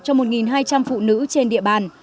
cho một hai trăm linh phụ nữ trên địa bàn